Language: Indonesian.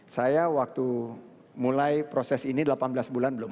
saya waktu mulai proses ini delapan belas bulan belum